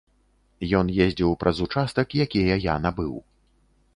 Ён ездзіў праз участак, якія я набыў.